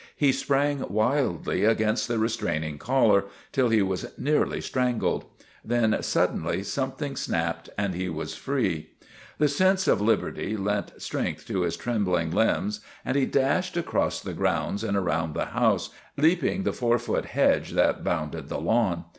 He sprang wildly against the restraining collar till he was nearly strangled. Then suddenly something snapped and he was free. The sense of liberty lent strength to his trembling THE RETURN OF THE CHAMPION 303 limbs and he dashed across the grounds and around the house, leaping the four foot hedge that bounded the lawn.